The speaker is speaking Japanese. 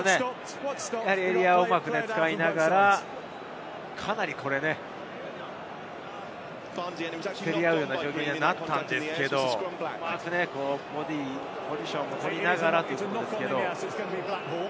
エリアをうまく使いながら、かなり競り合うような状況になったんですけれど、うまくボディーポジションを取りながら。